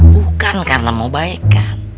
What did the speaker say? bukan karena mau baikan